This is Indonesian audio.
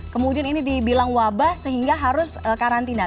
kemudian ini dibilang wabah sehingga harus karantina